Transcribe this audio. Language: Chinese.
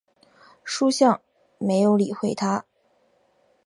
叔向没有理会他。